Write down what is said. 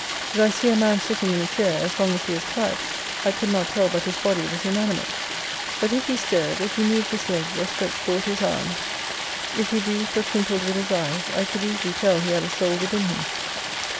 Did I see a man sitting in a chair, as long as he was quiet, I could not tell but his body was inanimate : but if he stirred, if he moved his legs, or stretched forth his arms, if he breathed or twinkled with his eyes, I could easily tell he had a soul within him.